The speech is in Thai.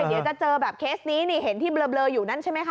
เดี๋ยวจะเจอแบบเคสนี้นี่เห็นที่เบลออยู่นั้นใช่ไหมคะ